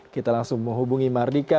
kita langsung menghubungi mardika